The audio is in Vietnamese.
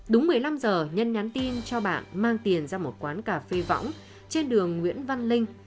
đúng một mươi năm h nhân nhắn tin cho bạn mang tiền ra một quán cà phê võng trên đường nguyễn văn linh